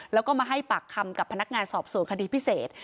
แล้วก็มาให้ปากคำกับพนักงานสอบสวนคดีพิเศษ